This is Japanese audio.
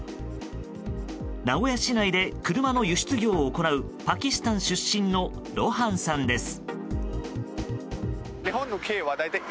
名古屋市内で車の輸出業を行うパキスタン出身のロハンさんです。